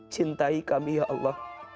cintai kami ya allah